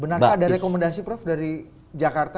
benarkah ada rekomendasi prof dari jakarta